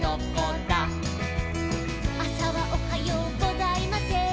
「あさはおはようございません」